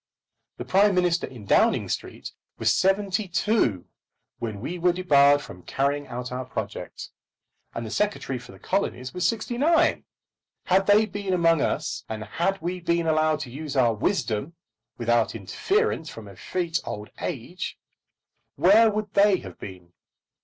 The Prime Minister in Downing Street was seventy two when we were debarred from carrying out our project, and the Secretary for the Colonies was sixty nine. Had they been among us, and had we been allowed to use our wisdom without interference from effete old age, where would they have been?